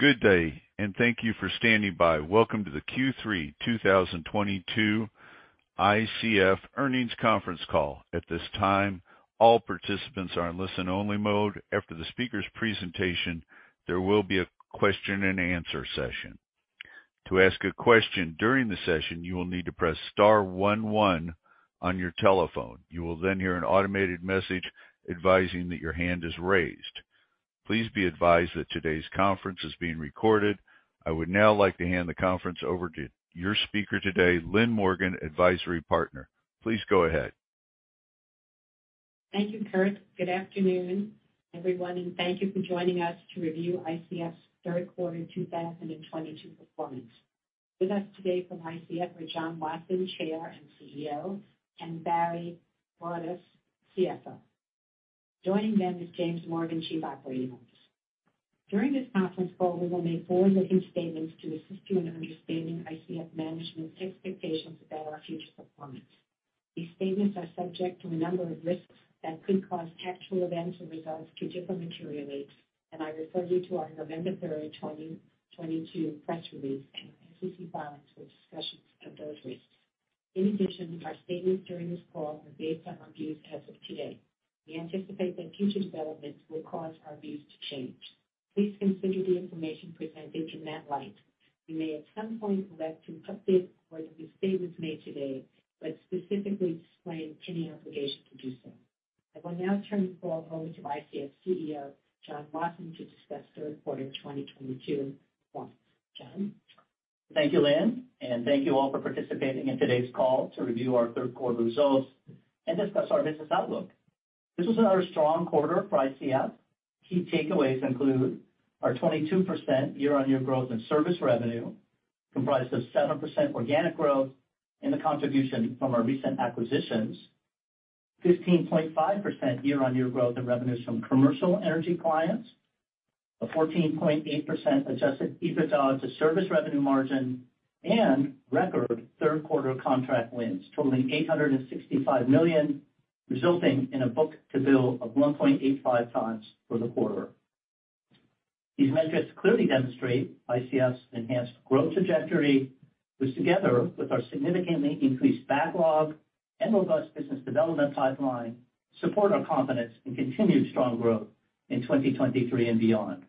Good day, thank you for standing by. Welcome to the Q3 2022 ICF Earnings Conference Call. At this time, all participants are in listen only mode. After the speaker's presentation, there will be a question and answer session. To ask a question during the session, you will need to press star one one on your telephone. You will then hear an automated message advising that your hand is raised. Please be advised that today's conference is being recorded. I would now like to hand the conference over to your speaker today, Lynn Morgen, Advisory Partner Please go ahead. Thank you, Kurt. Good afternoon, everyone, and thank you for joining us to review ICF's Q3 2022 performance. With us today from ICF are John Wasson, Chair and CEO, and Barry Broadus, CFO. Joining them is James Morgan, Chief Operating Officer. During this conference call, we will make forward-looking statements to assist you in understanding ICF management's expectations about our future performance. These statements are subject to a number of risks that could cause actual events or results to differ materially, and I refer you to our November 3rd, 2022 press release and SEC filings for discussions of those risks. In addition, our statements during this call are based on our views as of today. We anticipate that future developments will cause our views to change. Please consider the information presented in that light. We may, at some point, elect to update forward-looking statements made today, but specifically disclaim any obligation to do so. I will now turn the call over to ICF CEO, John Wasson, to discuss Q3 2022 performance. John? Thank you, Lynn, and thank you all for participating in today's call to review our Q3 results and discuss our business outlook. This was another strong quarter for ICF. Key takeaways include our 22% year-on-year growth in service revenue, comprised of 7% organic growth and the contribution from our recent acquisitions. 15.5% year-on-year growth in revenues from commercial energy clients. 14.8% Adjusted EBITDA as a service revenue margin and record Q3 contract wins totaling $865 million, resulting in a book-to-bill of 1.85x for the quarter. These metrics clearly demonstrate ICF's enhanced growth trajectory, which together with our significantly increased backlog and robust business development pipeline, support our confidence in continued strong growth in 2023 and beyond.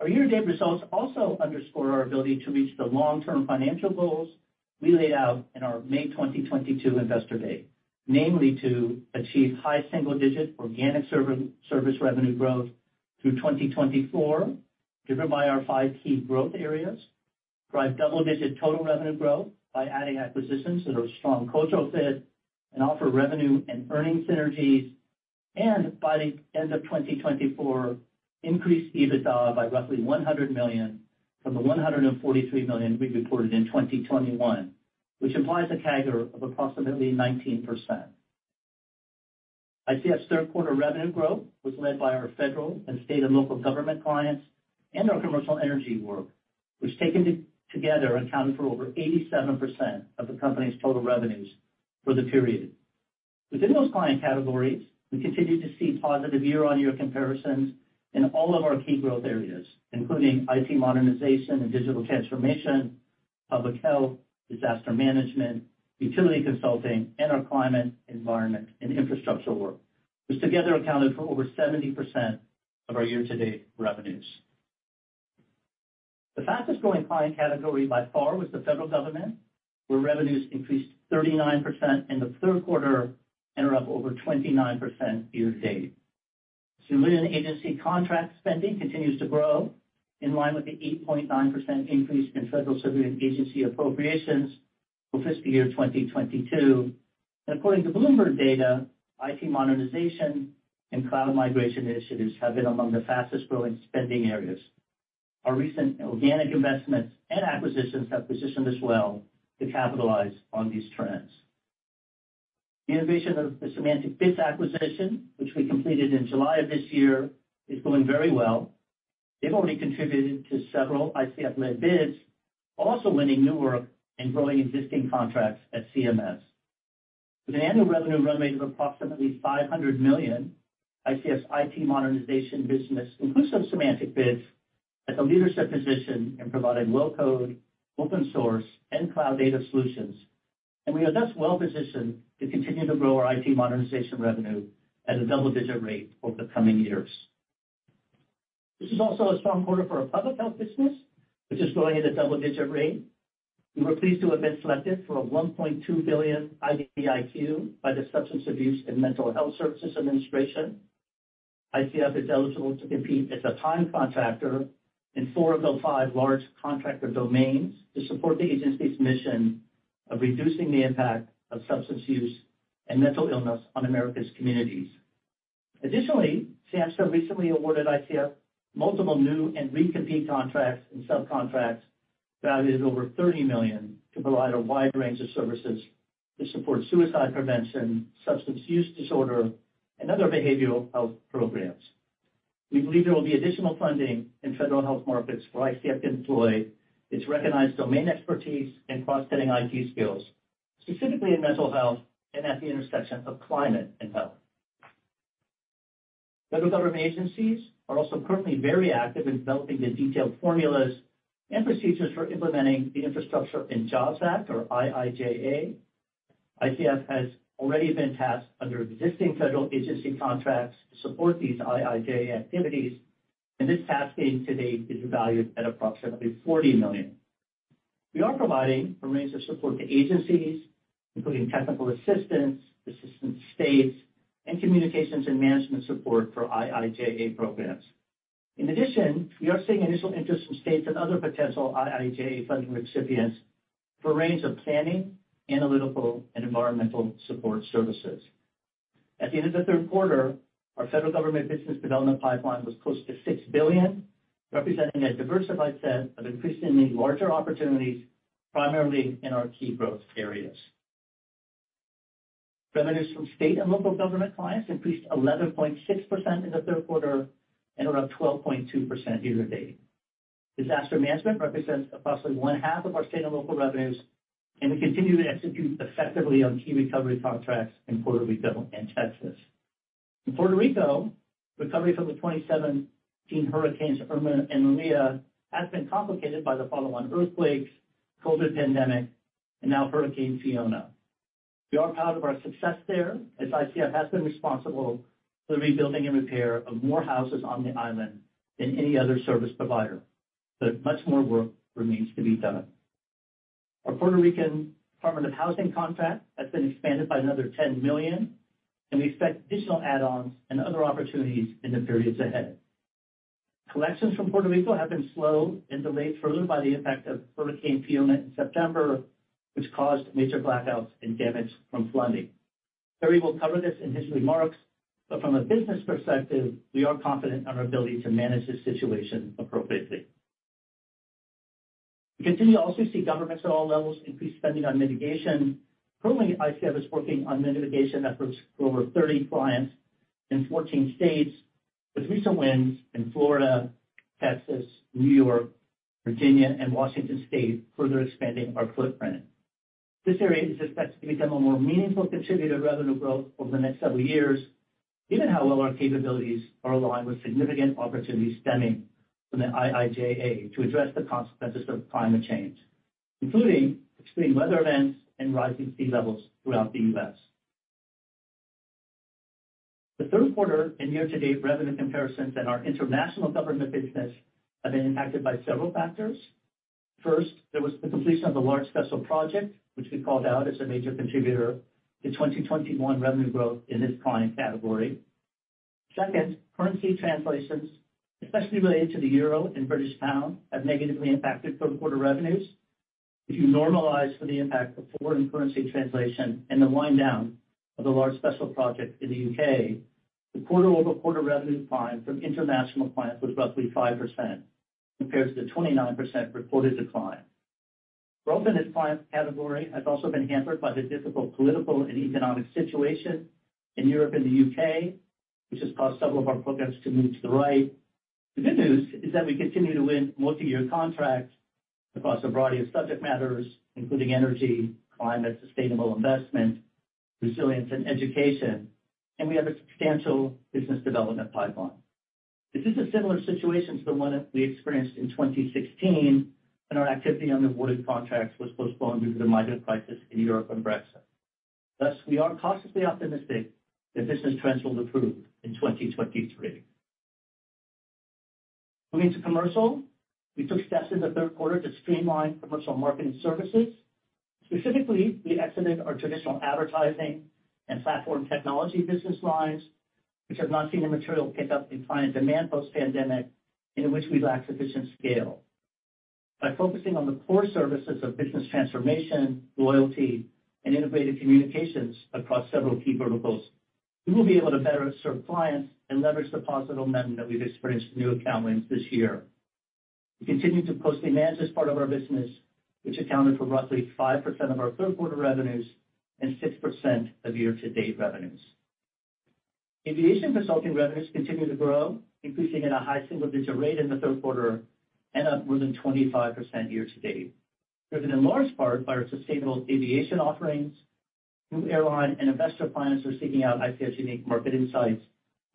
Our year-to-date results also underscore our ability to reach the long-term financial goals we laid out in our May 2022 investor day. Namely to achieve high single-digit organic service revenue growth through 2024, driven by our five key growth areas. Drive double-digit total revenue growth by adding acquisitions that are strong cultural fit and offer revenue and earning synergies. By the end of 2024, increase EBITDA by roughly $100 million from the $143 million we reported in 2021, which implies a CAGR of approximately 19%. ICF's Q3 revenue growth was led by our federal and state and local government clients and our commercial energy work, which taken together accounted for over 87% of the company's total revenues for the period. Within those client categories, we continue to see positive year-on-year comparisons in all of our key growth areas, including IT modernization and digital transformation, public health, disaster management, utility consulting, and our climate environment and infrastructure work, which together accounted for over 70% of our year-to-date revenues. The fastest-growing client category by far was the federal government, where revenues increased 39% in the Q3 and are up over 29% year to date. Civilian agency contract spending continues to grow in line with the 8.9% increase in federal civilian agency appropriations for fiscal year 2022. According to Bloomberg data, IT modernization and cloud migration initiatives have been among the fastest-growing spending areas. Our recent organic investments and acquisitions have positioned us well to capitalize on these trends. The integration of the SemanticBits acquisition, which we completed in July of this year, is going very well. They've already contributed to several ICF-led bids, also winning new work and growing existing contracts at CMS. With an annual revenue run rate of approximately $500 million, ICF's IT modernization business, inclusive of SemanticBits, has a leadership position in providing low-code, open source, and cloud-native solutions. We are thus well-positioned to continue to grow our IT modernization revenue at a double-digit rate over the coming years. This is also a strong quarter for our public health business, which is growing at a double-digit rate. We were pleased to have been selected for a $1.2 billion IDIQ by the Substance Abuse and Mental Health Services Administration. ICF is eligible to compete as a prime contractor in four of the five large contractor domains to support the agency's mission of reducing the impact of substance use and mental illness on America's communities. Additionally, SAMHSA recently awarded ICF multiple new and re-compete contracts and subcontracts valued at over $30 million to provide a wide range of services to support suicide prevention, substance use disorder, and other behavioral health programs. We believe there will be additional funding in federal health markets for ICF to deploy its recognized domain expertise and cross-cutting IT skills, specifically in mental health and at the intersection of climate and health. Federal government agencies are also currently very active in developing the detailed formulas and procedures for Implementing the Infrastructure and Jobs Act, or IIJA. ICF has already been tasked under existing federal agency contracts to support these IIJA activities, and this tasking to date is valued at approximately $40 million. We are providing a range of support to agencies, including technical assistance, assisting states, and communications and management support for IIJA programs. In addition, we are seeing initial interest from states and other potential IIJA funding recipients for a range of planning, analytical, and environmental support services. At the end of the Q3, our federal government business development pipeline was close to $6 billion, representing a diversified set of increasingly larger opportunities, primarily in our key growth areas. Revenues from state and local government clients increased 11.6% in the Q3 and were up 12.2% year-to-date. Disaster management represents approximately one-half of our state and local revenues, and we continue to execute effectively on key recovery contracts in Puerto Rico and Texas. In Puerto Rico, recovery from the 2017 hurricanes, Irma and Maria, has been complicated by the follow-on earthquakes, COVID pandemic, and now Hurricane Fiona. We are proud of our success there, as ICF has been responsible for the rebuilding and repair of more houses on the island than any other service provider, but much more work remains to be done. Our Puerto Rico Department of Housing contract has been expanded by another $10 million, and we expect additional add-ons and other opportunities in the periods ahead. Collections from Puerto Rico have been slow and delayed further by the impact of Hurricane Fiona in September, which caused major blackouts and damage from flooding. Terry will cover this in his remarks, but from a business perspective, we are confident in our ability to manage this situation appropriately. We continue to also see governments at all levels increase spending on mitigation. Currently, ICF is working on mitigation efforts for over 30 clients in 14 states with recent wins in Florida, Texas, New York, Virginia, and Washington State further expanding our footprint. This area is expected to become a more meaningful contributor to revenue growth over the next several years, given how well our capabilities are aligned with significant opportunities stemming from the IIJA to address the consequences of climate change, including extreme weather events and rising sea levels throughout the U.S. The Q3 and year-to-date revenue comparisons in our international government business have been impacted by several factors. First, there was the completion of the large special project, which we called out as a major contributor to 2021 revenue growth in this client category. Second, currency translations, especially related to the euro and British pound, have negatively impacted Q3 revenues. If you normalize for the impact of foreign currency translation and the wind down of the large special project in the U.K., the quarter-over-quarter revenue decline from international clients was roughly 5% compared to 29% reported decline. Growth in this client category has also been hampered by the difficult political and economic situation in Europe and the U.K., which has caused several of our programs to move to the right. The good news is that we continue to win multiyear contracts across a variety of subject matters, including energy, climate, sustainable investment, resilience, and education, and we have a substantial business development pipeline. This is a similar situation to the one that we experienced in 2016 when our activity on awarded contracts was postponed due to the migrant crisis in Europe and Brexit. Thus, we are cautiously optimistic that business trends will improve in 2023. Moving to commercial. We took steps in the Q3 to streamline Commercial Marketing services. Specifically, we exited our traditional advertising and platform technology business lines, which have not seen a material pickup in client demand post-pandemic in which we lack sufficient scale. By focusing on the core services of business transformation, loyalty, and integrated communications across several key verticals, we will be able to better serve clients and leverage the positive momentum that we've experienced with new account wins this year. We continue to see demand as part of our business, which accounted for roughly 5% of our Q3 revenues and 6% of year-to-date revenues. Aviation consulting revenues continue to grow, increasing at a high single-digit rate in the Q3 and up more than 25% year-to-date. Driven in large part by our sustainable aviation offerings, new airline and investor clients are seeking out ICF's unique market insights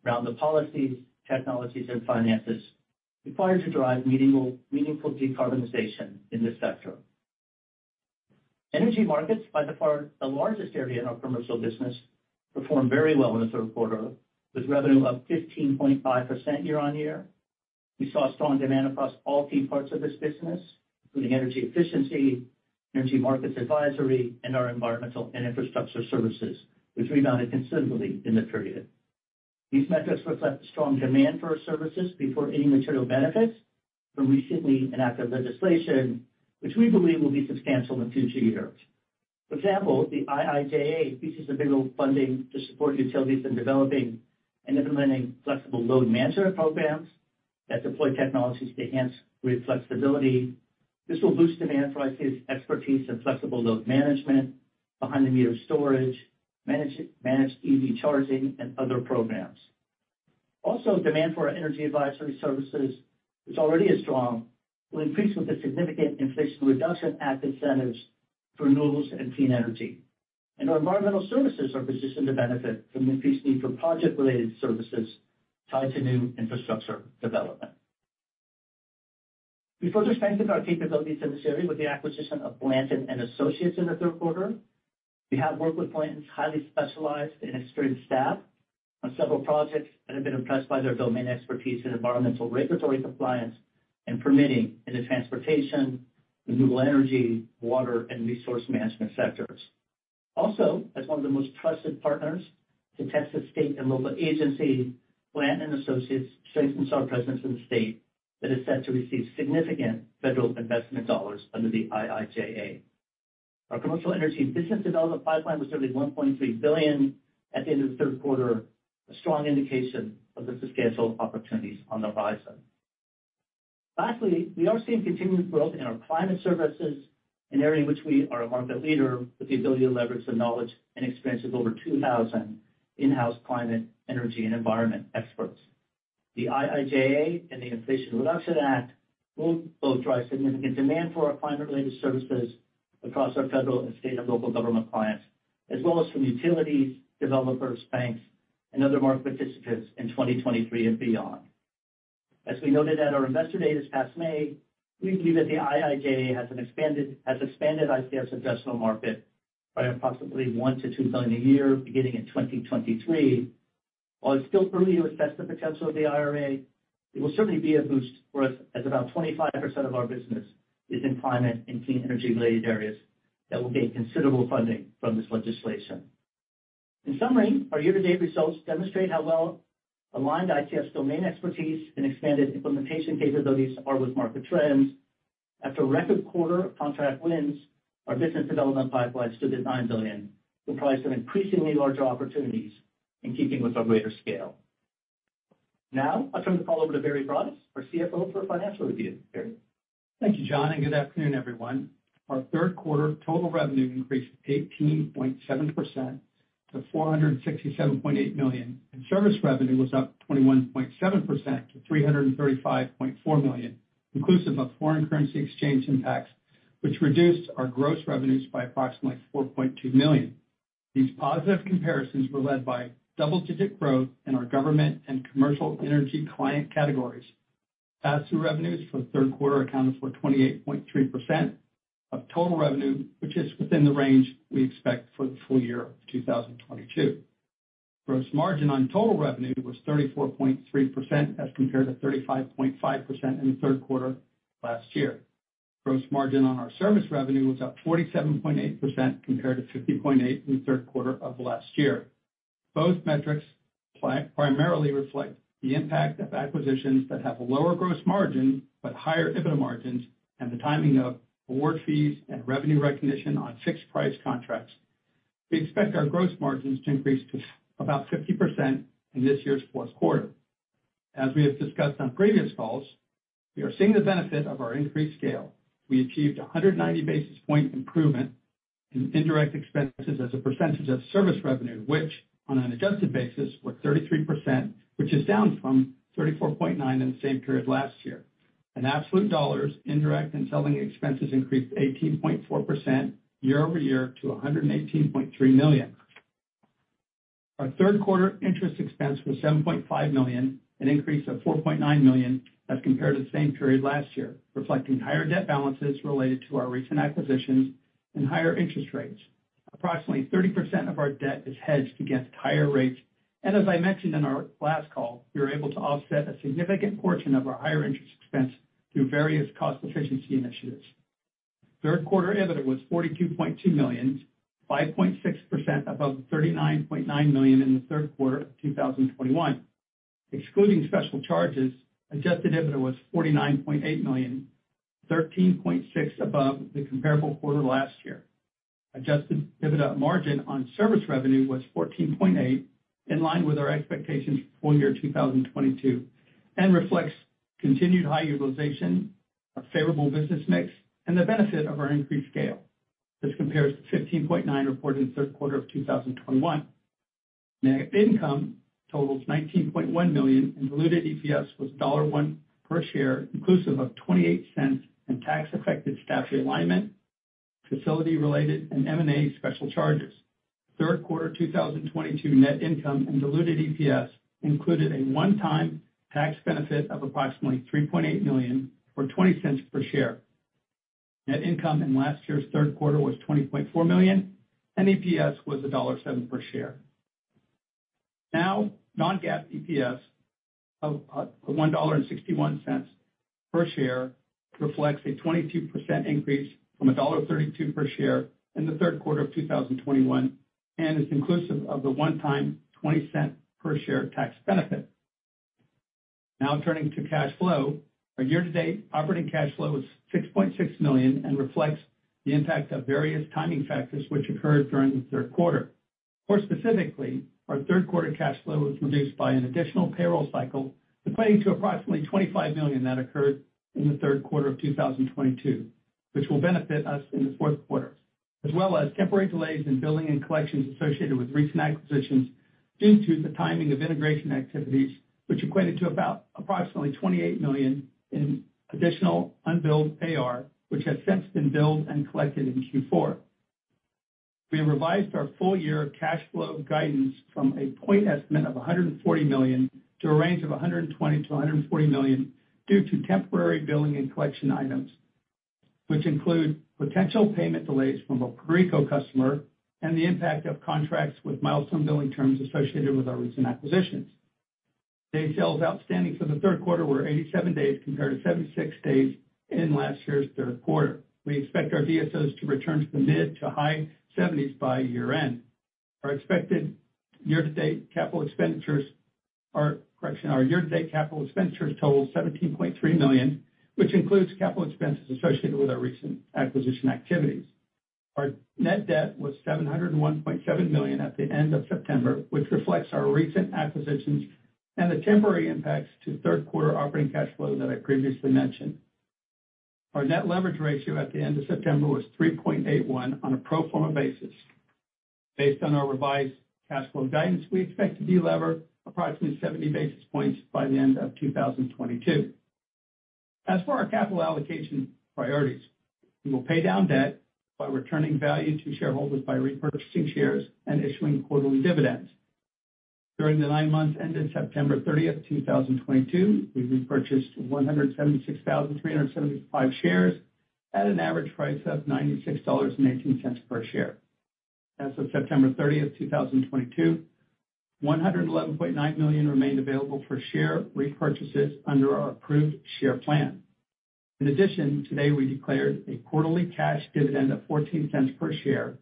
around the policies, technologies, and finances required to drive meaningful decarbonization in this sector. Energy markets, by far the largest area in our commercial business, performed very well in the Q3 with revenue up 15.5% year-on-year. We saw strong demand across all key parts of this business, including energy efficiency, energy markets advisory, and our environmental and infrastructure services, which rebounded considerably in the period. These metrics reflect the strong demand for our services before any material benefits from recently enacted legislation, which we believe will be substantial in future years. For example, the IIJA provides federal funding to support utilities in developing and implementing flexible load management programs that deploy technologies to enhance grid flexibility. This will boost demand for ICF's expertise in flexible load management, behind the meter storage, managed EV charging and other programs. Also, demand for our energy advisory services is already so strong, will increase with the significant Inflation Reduction Act incentives for renewables and clean energy. Our environmental services are positioned to benefit from the increased need for project-related services tied to new infrastructure development. We further strengthened our capabilities in this area with the acquisition of Blanton & Associates in the Q3. We have worked with Blanton & Associates' highly specialized and experienced staff on several projects and have been impressed by their domain expertise in environmental regulatory compliance and permitting in the transportation, renewable energy, water, and resource management sectors. Also, as one of the most trusted partners to Texas state and local agencies, Blanton & Associates strengthens our presence in the state that is set to receive significant federal investment dollars under the IIJA. Our commercial energy business development pipeline was certainly $1.3 billion at the end of the Q3, a strong indication of the substantial opportunities on the horizon. Lastly, we are seeing continued growth in our climate services, an area in which we are a market leader with the ability to leverage the knowledge and experience of over 2,000 in-house climate, energy, and environment experts. The IIJA and the Inflation Reduction Act will both drive significant demand for our climate-related services across our federal and state and local government clients, as well as from utilities, developers, banks, and other market participants in 2023 and beyond. As we noted at our Investor Day this past May, we believe that the IIJA has expanded ICF addressable market by approximately $1 billion-$2 billion a year beginning in 2023. While it's still early to assess the potential of the IRA, it will certainly be a boost for us, as about 25% of our business is in climate and clean energy-related areas that will gain considerable funding from this legislation. In summary, our year-to-date results demonstrate how well aligned ICF domain expertise and expanded implementation capabilities are with market trends. After a record quarter of contract wins, our business development pipeline stood at $9 billion, comprised of increasingly larger opportunities in keeping with our greater scale. Now I'll turn the call over to Barry Broadus, our CFO, for a financial review. Barry? Thank you, John, and good afternoon, everyone. Our Q3 total revenue increased 18.7% to $467.8 million. Service revenue was up 21.7% to $335.4 million, inclusive of foreign currency exchange impacts, which reduced our gross revenues by approximately $4.2 million. These positive comparisons were led by double-digit growth in our government and commercial energy client categories. Pass-through revenues for the Q3 accounted for 28.3% of total revenue, which is within the range we expect for the full year of 2022. Gross margin on total revenue was 34.3% as compared to 35.5% in the Q3 of last year. Gross margin on our service revenue was up 47.8% compared to 50.8 in the Q3 of last year. Both metrics primarily reflect the impact of acquisitions that have lower gross margin but higher EBITDA margins, and the timing of award fees and revenue recognition on fixed-price contracts. We expect our gross margins to increase to about 50% in this year's Q4. As we have discussed on previous calls, we are seeing the benefit of our increased scale. We achieved a 190 basis point improvement in indirect expenses as a percentage of service revenue, which, on an adjusted basis, were 33%, which is down from 34.9 in the same period last year. In absolute dollars, indirect and selling expenses increased 18.4% year-over-year to $118.3 million. Our Q3 interest expense was $7.5 million, an increase of $4.9 million as compared to the same period last year, reflecting higher debt balances related to our recent acquisitions and higher interest rates. Approximately 30% of our debt is hedged against higher rates. As I mentioned in our last call, we were able to offset a significant portion of our higher interest expense through various cost efficiency initiatives. Q3 EBITDA was $42.2 million, 5.6% above $39.9 million in the Q3 of 2021. Excluding special charges, Adjusted EBITDA was $49.8 million, $13.6 million above the comparable quarter last year. Adjusted EBITDA margin on service revenue was 14.8%, in line with our expectations for full year 2022, and reflects continued high utilization, a favorable business mix, and the benefit of our increased scale. This compares to 15.9% reported in the Q3 of 2021. Net income totals $19.1 million, and diluted EPS was $1 per share, inclusive of $0.28 in tax-affected staff realignment, facility-related and M&A special charges. Q3 2022 net income and diluted EPS included a one-time tax benefit of approximately $3.8 million, or $0.20 per share. Net income in last year's Q3 was $20.4 million, and EPS was $1.07 per share. Non-GAAP EPS of $1.61 per share reflects a 22% increase from $1.32 per share in the Q3 of 2021, and is inclusive of the one-time $0.20 per share tax benefit. Now turning to cash flow. Our year-to-date operating cash flow is $6.6 million and reflects the impact of various timing factors which occurred during the Q3. More specifically, our Q3 cash flow was reduced by an additional payroll cycle, equating to approximately $25 million that occurred in the Q3 of 2022, which will benefit us in the Q4, as well as temporary delays in billing and collections associated with recent acquisitions due to the timing of integration activities, which equated to approximately $28 million in additional unbilled AR, which has since been billed and collected in Q4. We revised our full year cash flow guidance from a point estimate of $140 million to a range of $120 million-$140 million due to temporary billing and collection items, which include potential payment delays from a Puerto Rico customer and the impact of contracts with milestone billing terms associated with our recent acquisitions. Day sales outstanding for the Q3 were 87 days compared to 76 days in last year's Q3. We expect our DSOs to return to the mid to high 70s by year-end. Our year-to-date capital expenditures total $17.3 million, which includes capital expenses associated with our recent acquisition activities. Our net debt was $701.7 million at the end of September, which reflects our recent acquisitions and the temporary impacts to Q3 operating cash flow that I previously mentioned. Our net leverage ratio at the end of September was 3.81 on a pro forma basis. Based on our revised cash flow guidance, we expect to delever approximately 70 basis points by the end of 2022. As for our capital allocation priorities, we will pay down debt by returning value to shareholders by repurchasing shares and issuing quarterly dividends. During the nine months ended September 30th, 2022, we've repurchased 176,375 shares at an average price of $96.18 per share. As of September 30th, 2022, $111.9 million remained available for share repurchases under our approved share plan. In addition, today we declared a quarterly cash dividend of $0.14 per share,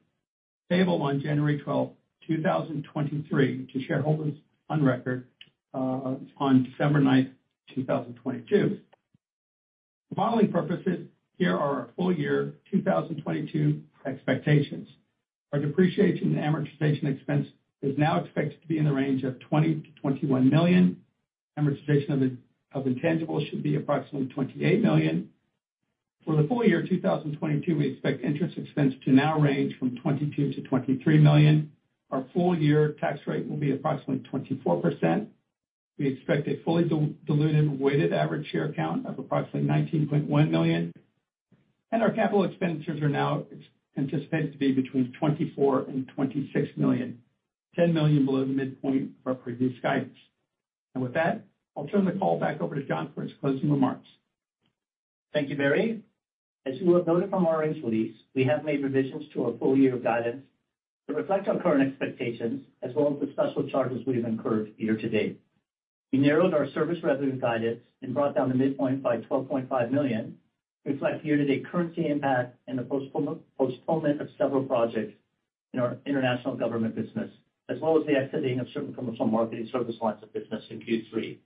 payable on January 12, 2023 to shareholders on record on December 9th, 2022. For modeling purposes, here are our full year 2022 expectations. Our depreciation and amortization expense is now expected to be in the range of $20 million-$21 million. Amortization of intangibles should be approximately $28 million. For the full year 2022, we expect interest expense to now range from $22 million-$23 million. Our full year tax rate will be approximately 24%. We expect a fully diluted weighted average share count of approximately 19.1 million. Our capital expenditures are now expected to be between $24 million-$26 million, $10 million below the midpoint of our previous guidance. With that, I'll turn the call back over to John for his closing remarks. Thank you, Barry. As you have noted from our earnings release, we have made revisions to our full year guidance to reflect our current expectations as well as the special charges we have incurred year-to-date. We narrowed our service revenue guidance and brought down the midpoint by $12.5 million to reflect year-to-date currency impact and the postponement of several projects in our international government business, as well as the exiting of certain Commercial Marketing service lines of business in Q3.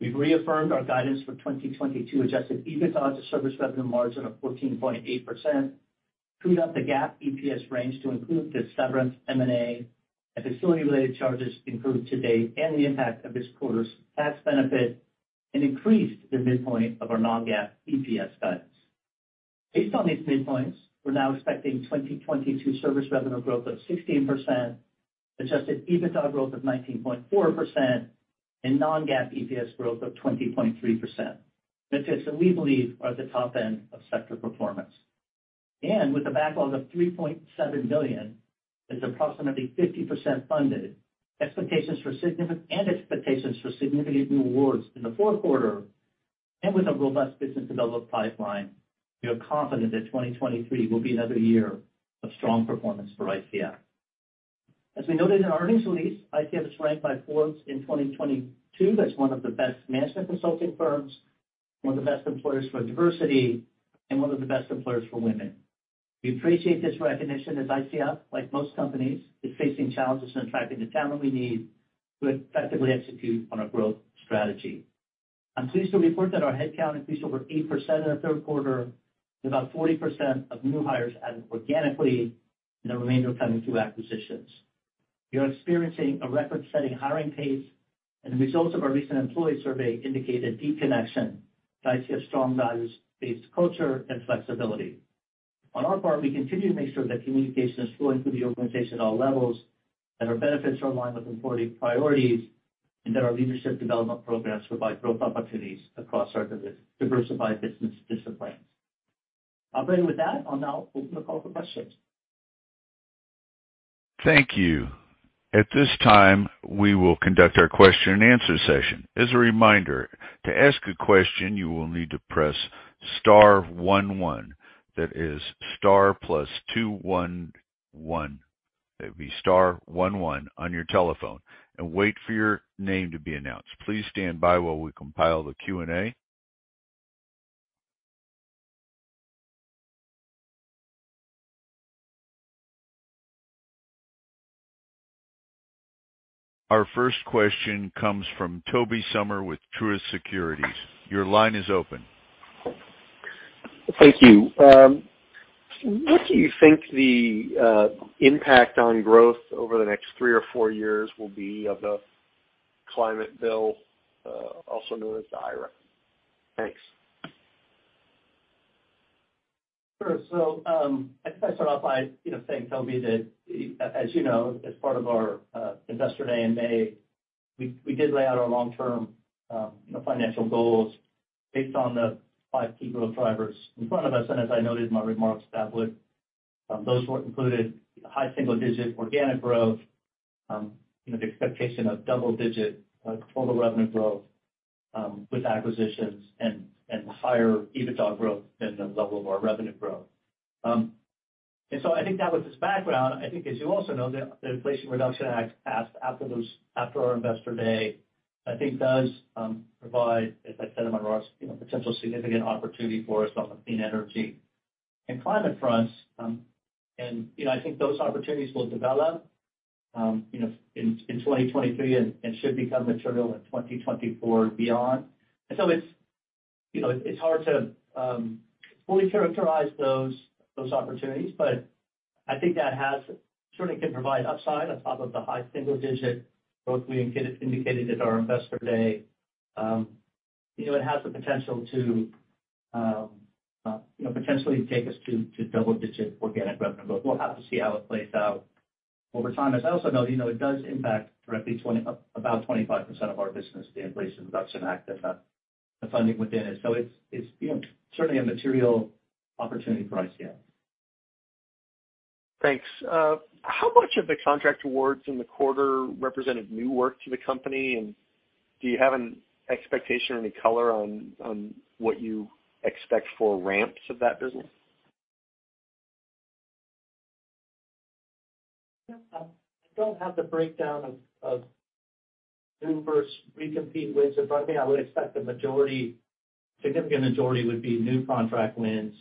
We've reaffirmed our guidance for 2022 Adjusted EBITDA to service revenue margin of 14.8%, trued up the GAAP EPS range to include the severance, M&A, and facility-related charges incurred to date and the impact of this quarter's tax benefit and increased the midpoint of our non-GAAP EPS guidance. Based on these midpoints, we're now expecting 2022 service revenue growth of 16%, Adjusted EBITDA growth of 19.4%, and non-GAAP EPS growth of 20.3%. Metrics that we believe are at the top end of sector performance. With a backlog of $3.7 billion, that's approximately 50% funded, expectations for significant new awards in the Q4, and with a robust business development pipeline, we are confident that 2023 will be another year of strong performance for ICF. As we noted in our earnings release, ICF was ranked by Forbes in 2022 as one of the best management consulting firms, one of the best employers for diversity, and one of the best employers for women. We appreciate this recognition as ICF, like most companies, is facing challenges in attracting the talent we need to effectively execute on our growth strategy. I'm pleased to report that our headcount increased over 8% in the Q3, with about 40% of new hires added organically and the remainder coming through acquisitions. We are experiencing a record-setting hiring pace, and the results of our recent employee survey indicate a deep connection to ICF's strong values-based culture and flexibility. On our part, we continue to make sure that communication is flowing through the organization at all levels, that our benefits are aligned with important priorities, and that our leadership development programs provide growth opportunities across our diversified business disciplines. Operating with that, I'll now open the call for questions. Thank you. At this time, we will conduct our question-and-answer session. As a reminder, to ask a question, you will need to press star one one. That is star plus two one one. That'd be star one one on your telephone and wait for your name to be announced. Please stand by while we compile the Q&A. Our first question comes from Tobey Sommer with Truist Securities. Your line is open. Thank you. What do you think the impact on growth over the next three or four years will be of the climate bill, also known as the IRA? Thanks. Sure. I guess I'll start off by, you know, saying, Tobey, that as you know, as part of our Investor Day in May, we did lay out our long-term, you know, financial goals based on the five key growth drivers in front of us. As I noted in my remarks, that would, those were included high single-digit organic growth, you know, the expectation of double-digit total revenue growth with acquisitions and higher EBITDA growth than the level of our revenue growth. I think that with this background, I think as you also know, the Inflation Reduction Act passed after our Investor Day, I think does provide, as I said in my remarks, you know, potential significant opportunity for us on the clean energy and climate fronts. You know, I think those opportunities will develop, you know, in 2023 and should become material in 2024 beyond. It's, you know, it's hard to fully characterize those opportunities, but I think that has certainly can provide upside on top of the high single-digit growth we indicated at our Investor Day. You know, it has the potential to, you know, potentially take us to double-digit organic revenue growth. We'll have to see how it plays out over time. As I also know, you know, it does impact directly about 25% of our business, the Inflation Reduction Act and the funding within it. It's, you know, certainly a material opportunity for ICF. Thanks. How much of the contract awards in the quarter represented new work to the company, and do you have an expectation or any color on what you expect for ramps of that business? Yeah. I don't have the breakdown of new versus recompete wins in front of me. I would expect the majority, significant majority would be new contract wins.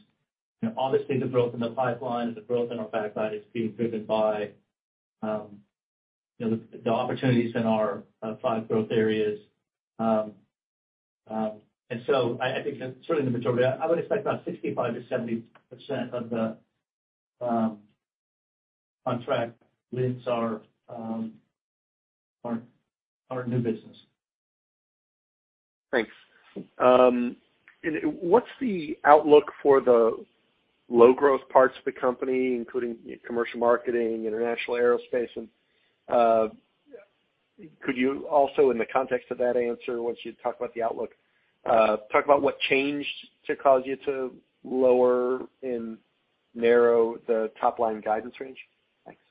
You know, obviously, the growth in the pipeline and the growth in our pipeline is being driven by, you know, the opportunities in our five growth areas. I think that's certainly the majority. I would expect about 65%-70% of the contract wins are new business. Thanks. What's the outlook for the low growth parts of the company, including Commercial Marketing, International Aerospace, and could you also, in the context of that answer, once you talk about the outlook, talk about what changed to cause you to lower and narrow the top line guidance range? Thanks.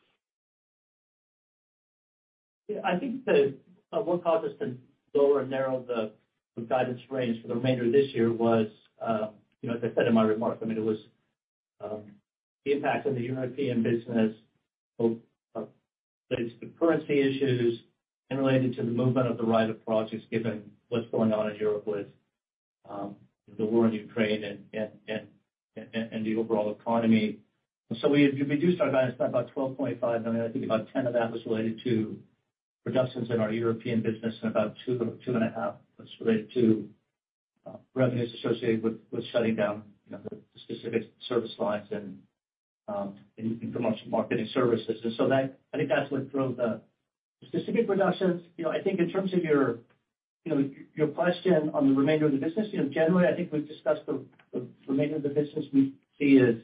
Yeah. I think what caused us to lower and narrow the guidance range for the remainder of this year was, you know, as I said in my remarks, I mean, it was the impact on the European business, both the currency issues and related to the right kind of projects given what's going on in Europe with the war in Ukraine and the overall economy. We reduced our guidance by about $12.5. I mean, I think about $10 of that was related to reductions in our European business and about $2.5 was related to revenues associated with shutting down, you know, the specific service lines and in Commercial Marketing services. That, I think, that's what drove the specific reductions. You know, I think in terms of your, you know, your question on the remainder of the business, you know, generally, I think we've discussed the remainder of the business we see as,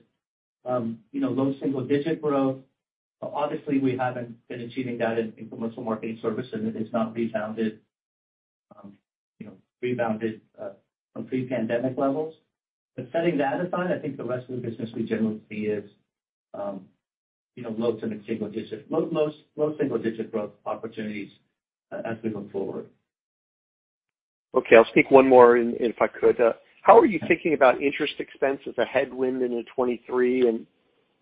you know, low single digit growth. Obviously, we haven't been achieving that in Commercial Marketing Services. It has not rebounded from pre-pandemic levels. Setting that aside, I think the rest of the business we generally see as, you know, low single digit growth opportunities as we look forward. Okay. I'll ask one more in, if I could. How are you thinking about interest expense as a headwind into 2023, and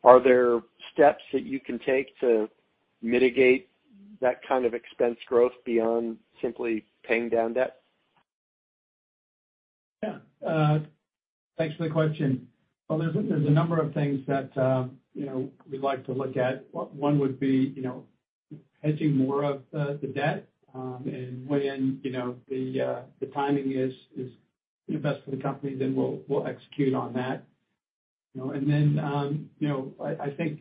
are there steps that you can take to mitigate that kind of expense growth beyond simply paying down debt? Yeah. Thanks for the question. Well, there's a number of things that, you know, we'd like to look at. One would be, you know, hedging more of the debt, and when, you know, the timing is best for the company, then we'll execute on that, you know? You know, I think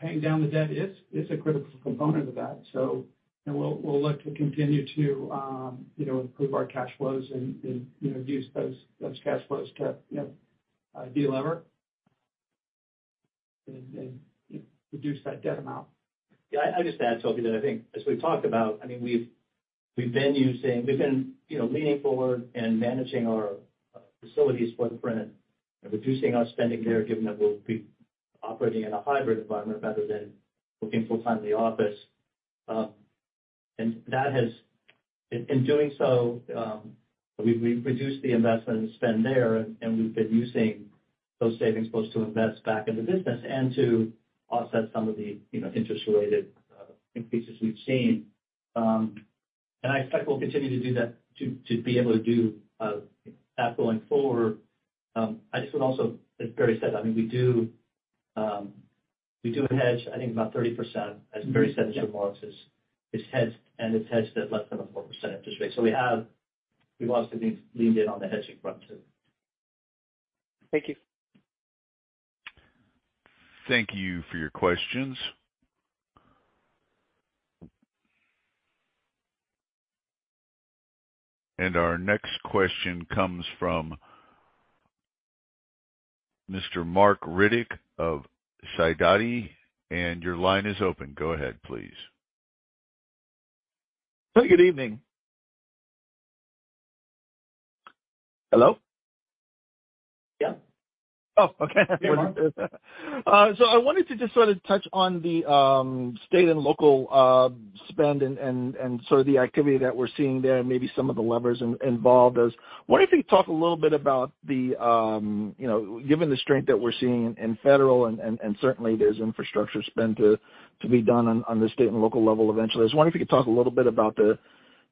paying down the debt is a critical component of that. We'll look to continue to, you know, improve our cash flows and, you know, use those cash flows to, you know, de-lever and, you know, reduce that debt amount. Yeah. I'll just add, Tobey, that I think as we've talked about, I mean, we've been using, you know, leaning forward and managing our facilities footprint and reducing our spending there, given that we'll be operating in a hybrid environment rather than working full-time in the office. That has. In doing so, we've reduced the investment and spend there, and we've been using those savings both to invest back in the business and to offset some of the, you know, interest related increases we've seen. I expect we'll continue to do that, to be able to do that going forward. I just would also, as Barry said, I mean, we do hedge, I think about 30%.As Barry said in his remarks, it's hedged, and it's hedged at less than 4% interest rate. We've also been leaned in on the hedging front too. Thank you. Thank you for your questions. Our next question comes from Mr. Marc Riddick of Sidoti, and your line is open. Go ahead, please. Good evening. Hello? Yeah. Oh, okay. I wanted to just sort of touch on the state and local spend and sort of the activity that we're seeing there and maybe some of the levers involved, as I wonder if you could talk a little bit about, you know, given the strength that we're seeing in federal and certainly there's infrastructure spend to be done on the state and local level eventually. I was wondering if you could talk a little bit about the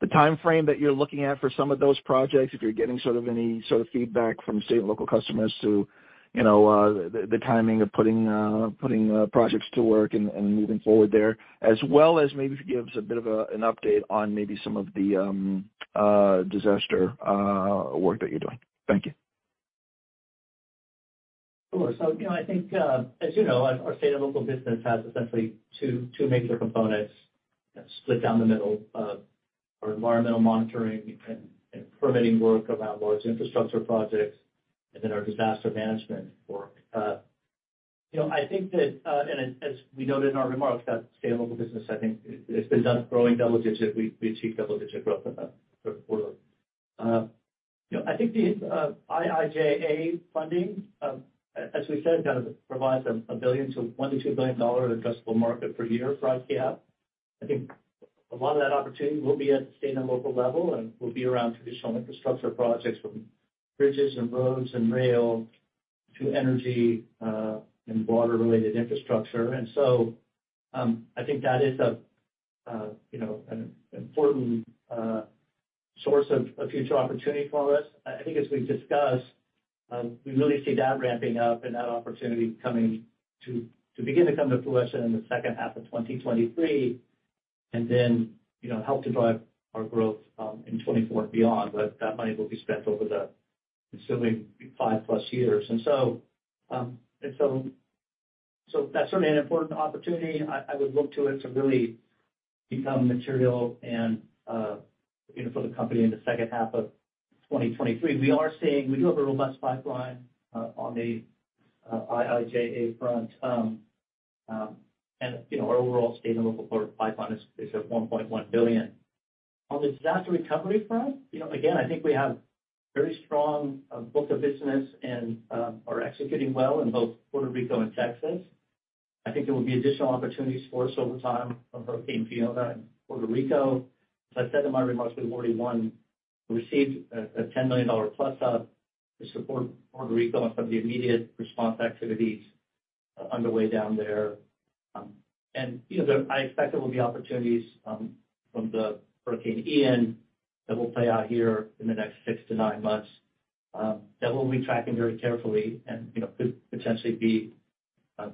timeframe that you're looking at for some of those projects, if you're getting sort of any sort of feedback from state and local customers to, you know, the timing of putting projects to work and moving forward there, as well as maybe if you give us a bit of an update on maybe some of the disaster work that you're doing. Thank you. Sure. You know, I think, as you know, our state and local business has essentially two major components split down the middle of our environmental monitoring and permitting work around large infrastructure projects and then our disaster management work. You know, I think that as we noted in our remarks, that state and local business, I think it's been growing double-digit. We achieved double-digit growth in that Q3. You know, I think the IIJA funding, as we said, kind of provides a $1 billion-$2 billion addressable market per year for ICF. I think a lot of that opportunity will be at state and local level, and will be around traditional infrastructure projects from bridges and roads and rail to energy, and water related infrastructure. I think that is a you know an important source of future opportunity for us. I think as we've discussed we really see that ramping up and that opportunity coming to begin to come to fruition in the second half of 2023. Then you know help to drive our growth in 2024 and beyond. That money will be spent over assuming 5+ years. That's certainly an important opportunity. I would look to it to really become material and you know for the company in the second half of 2023. We do have a robust pipeline on the IIJA front. Our overall state and local pipeline is at $1.1 billion. On the disaster recovery front, you know, again, I think we have very strong book of business and are executing well in both Puerto Rico and Texas. I think there will be additional opportunities for us over time from Hurricane Fiona and Puerto Rico. As I said in my remarks, we've already received a $10 million plus job to support Puerto Rico and some of the immediate response activities underway down there. I expect there will be opportunities from the Hurricane Ian that will play out here in the next six to nine months that we'll be tracking very carefully and, you know, could potentially be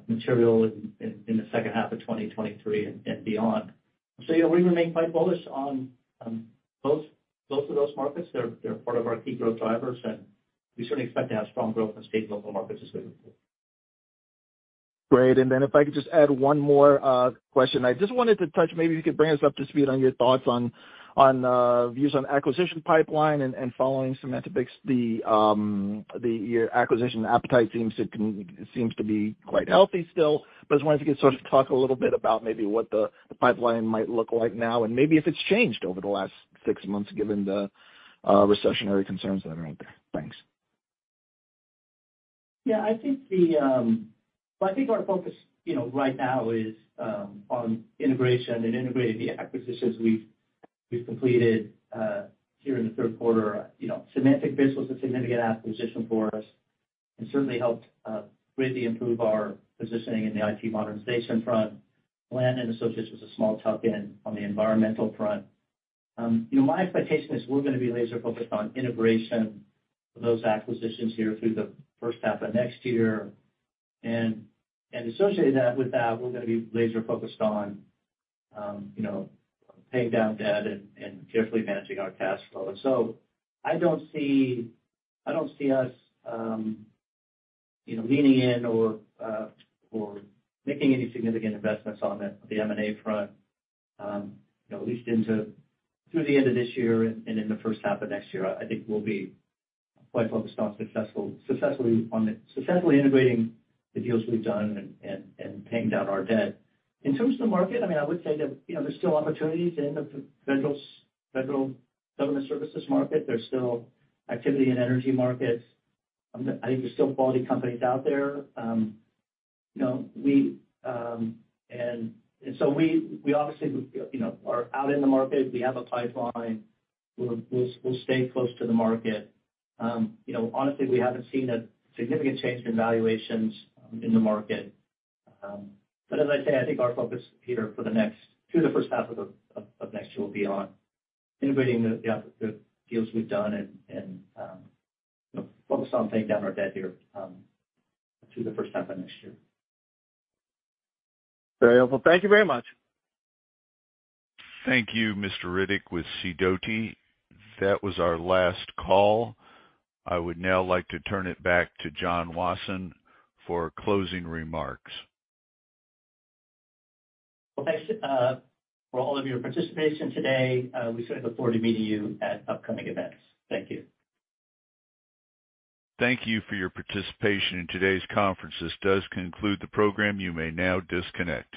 material in the second half of 2023 and beyond. You know, we remain quite bullish on both of those markets. They're part of our key growth drivers, and we certainly expect to have strong growth in state and local markets as we move forward. Great. If I could just add one more question. I just wanted to touch, maybe you could bring us up to speed on your thoughts on views on acquisition pipeline and following SemanticBits, your acquisition appetite seems to be quite healthy still, but I was wondering if you could sort of talk a little bit about maybe what the pipeline might look like now and maybe if it's changed over the last six months, given the recessionary concerns that are out there. Thanks. Yeah. Well, I think our focus, you know, right now is on integration and integrating the acquisitions we've completed here in the Q3. You know, SemanticBits was a significant acquisition for us and certainly helped greatly improve our positioning in the IT modernization front. Blanton & Associates was a small tuck in on the environmental front. You know, my expectation is we're gonna be laser focused on integration of those acquisitions here through the first half of next year. Associated with that, we're gonna be laser focused on, you know, paying down debt and carefully managing our cash flow. I don't see us leaning in or making any significant investments on the M&A front, at least through the end of this year and in the first half of next year. I think we'll be quite focused on successfully integrating the deals we've done and paying down our debt. In terms of the market, I would say that there's still opportunities in the federal government services market. There's still activity in energy markets. I think there's still quality companies out there. We obviously are out in the market. We have a pipeline. We'll stay close to the market. You know, honestly, we haven't seen a significant change in valuations in the market. As I say, I think our focus, Peter, for the next through the first half of next year will be on integrating the deals we've done and you know, focused on paying down our debt here, through the first half of next year. Very helpful. Thank you very much. Thank you, Mr. Riddick with Sidoti. That was our last call. I would now like to turn it back to John Wasson for closing remarks. Well, thanks for all of your participation today. We certainly look forward to meeting you at upcoming events. Thank you. Thank you for your participation in today's conference. This does conclude the program. You may now disconnect.